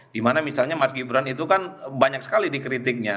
dimana misalnya mas gibran itu kan banyak sekali dikritiknya